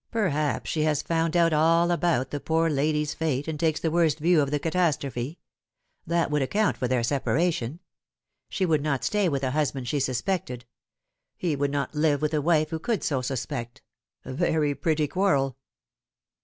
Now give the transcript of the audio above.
" Perhaps she has found out all about the poor lady's fate, and takes the worst view of the catastrophe. That would account for their separation. She would not stay with a husband she suspected ; he would not live with a wife who could so suspect. A very pretty quarrel."